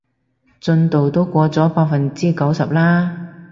進度都過咗百分之九十啦